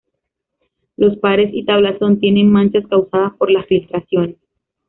Los pares y tablazón tienen manchas causadas por las filtraciones.